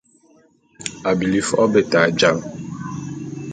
A bili fo’o beta jal .